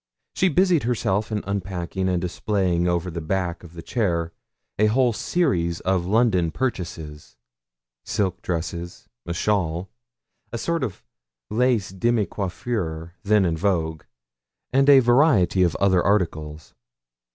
She busied herself in unpacking and displaying over the back of the chair a whole series of London purchases silk dresses, a shawl, a sort of lace demi coiffure then in vogue, and a variety of other articles.